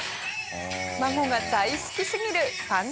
孫が大好きすぎる手作り？